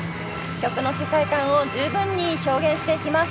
曲の世界観を十分に表現していきます。